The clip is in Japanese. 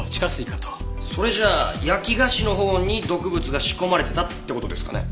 それじゃあ焼き菓子のほうに毒物が仕込まれてたって事ですかね？